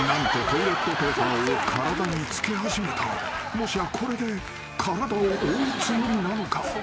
［もしやこれで体を覆うつもりなのか？］